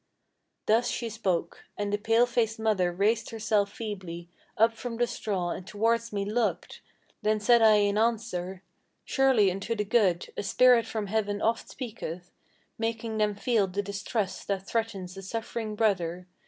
"Thus she spoke, and the pale faced mother raised herself feebly Up from the straw, and towards me looked. Then said I in answer: 'Surely unto the good, a spirit from heaven oft speaketh, Making them feel the distress that threatens a suffering brother.